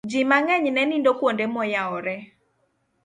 ji mang'eny ne nindo kuonde moyawore